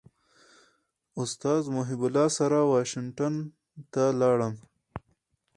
استاد محب الله سره واشنګټن ته ولاړم.